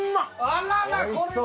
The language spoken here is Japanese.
あららこれは。